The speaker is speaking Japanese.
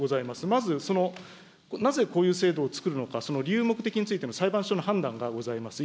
まずそのなぜこういう制度を作るのか、その理由、目的についての裁判所の判断がございます。